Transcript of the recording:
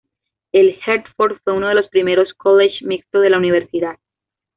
El Hertford fue uno de los primeros college mixtos de la universidad.